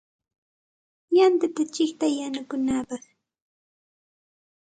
Yantata chiqtay yanukunapaq.